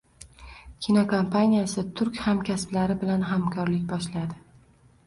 Kinokompaniyasi turk hamkasblari bilan hamkorlik boshladi